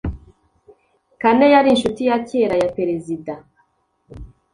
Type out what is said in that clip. Kane yari inshuti ya kera ya perezida.